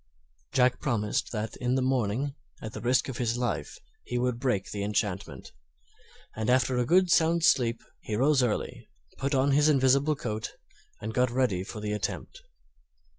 Jack promised that in the morning, at the risk of his life, he would break the enchantment; and after a sound sleep he rose early, put on his invisible coat, and got ready for the attempt.